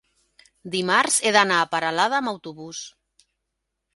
dimarts he d'anar a Peralada amb autobús.